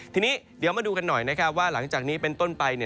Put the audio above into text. ทีนี้เดี๋ยวมาดูกันหน่อยนะครับว่าหลังจากนี้เป็นต้นไป